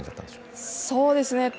そうですね。